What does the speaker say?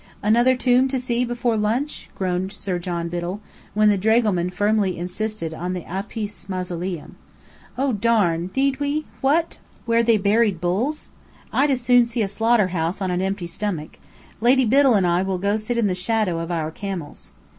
"Another tomb to see before lunch?" groaned Sir John Biddell, when the dragoman firmly insisted on the Apis Mausoleum. "Oh, darn! Need we? What? Where they buried Bulls? I'd as soon see a slaughter house, on an empty stomach. Lady Biddell and I will go sit in the shadow of our camels."